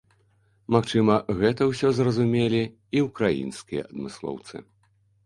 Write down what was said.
Магчыма, гэта ўсё зразумелі і ўкраінскія адмыслоўцы.